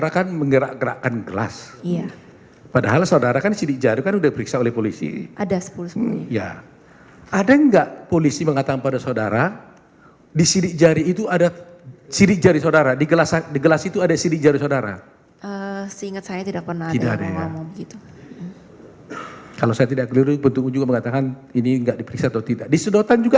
karena gak semua gak tahu